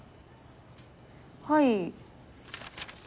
はい。